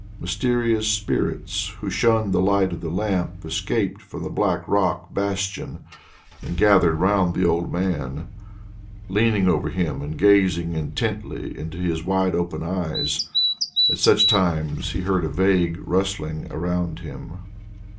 Mysterious spirits who shunned the light of the lamp escaped from the black rock bastion and gathered round the old man, leaning over him and gazing intently into his wide open eyes. At such times he heard a vague rustling around him.